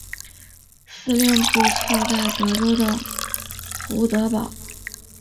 司令部设在德州的胡德堡。